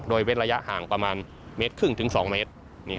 โดยเว้นระยะห่างประมาณเมตรครึ่งถึง๒เมตร